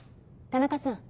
田中さん